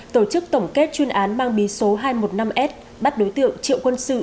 tổ chức tổng kết chuyên án mang bí số hai trăm một mươi năm s bắt đối tượng triệu quân sự